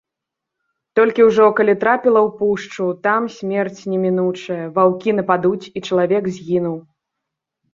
Толькі ўжо, калі трапіла ў пушчу, там смерць немінучая, ваўкі нападуць, і чалавек згінуў.